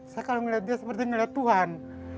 saya kalau melihatnya seperti melihat tuhan